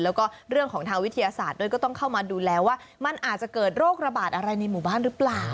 แล้วก็เรื่องของทางวิทยาศาสตร์ด้วยก็ต้องเข้ามาดูแลว่ามันอาจจะเกิดโรคระบาดอะไรในหมู่บ้านหรือเปล่า